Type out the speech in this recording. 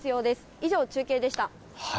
以上、中継でした。